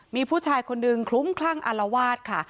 มีผู้ชายคนหนึ่งคลุ้มคลั่งอารวาสค่ะ